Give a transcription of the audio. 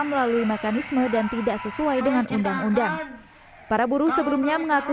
melalui mekanisme dan tidak sesuai dengan undang undang para buruh sebelumnya mengaku